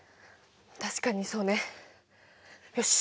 確かにそうね。よし。